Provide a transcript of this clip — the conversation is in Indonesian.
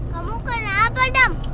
kamu kenapa dam